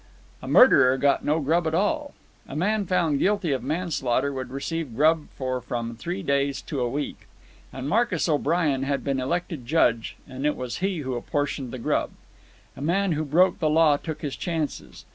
A murderer got no grub at all. A man found guilty of manslaughter would receive grub for from three days to a week. And Marcus O'Brien had been elected judge, and it was he who apportioned the grub. A man who broke the law took his chances.